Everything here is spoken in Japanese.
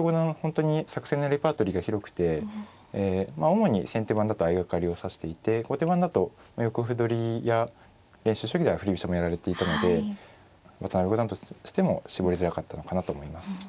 本当に作戦のレパートリーが広くて主に先手番だと相掛かりを指していて後手番だと横歩取りや練習将棋では振り飛車もやられていたので渡辺五段としても絞りづらかったのかなと思います。